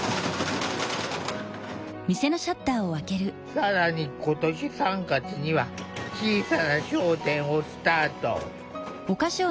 更に今年３月には小さな商店をスタート。